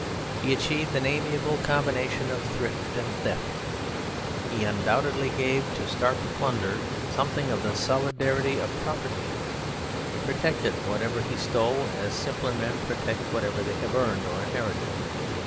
He achieved an amiable combination of thrift and theft. He undoubtedly gave to stark plunder something of the solidity of property. He protected whatever he stole as simpler men protect whatever they have earned or inherited.